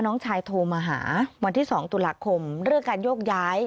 น้องชายโทรมาหาวันที่๒ตุลาคมเรื่องการโยกย้าย